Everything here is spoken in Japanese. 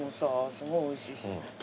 すごいおいしいし。